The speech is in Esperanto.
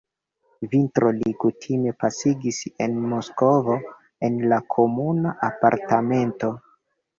Vintron li kutime pasigis en Moskvo, en la komuna apartamento.